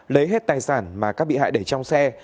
lấy hết tài sản mà các bị hại để trong xe